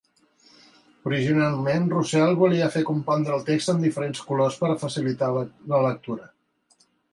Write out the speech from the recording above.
Originalment, Roussel volia fer compondre el text en diferents colors per facilitar la lectura.